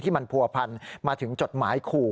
มันผัวพันมาถึงจดหมายขู่